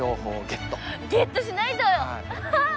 ゲットしないと！